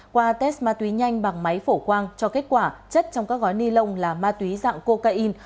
qua test ma túy nhanh bằng máy phổ quang cho kết quả chất trong các gói ni lông là ma túy dạng cocaine